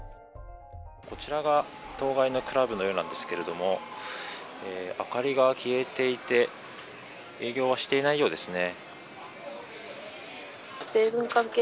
こちらが当該のクラブのようなんですけれども明かりが消えていて営業はしていないようですね。